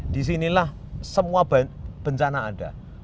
disinilah semua bencana ada